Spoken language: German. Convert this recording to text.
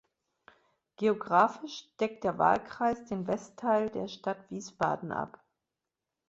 Geografisch deckt der Wahlkreis den Westteil der Stadt Wiesbaden ab.